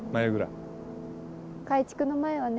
改築の前はね。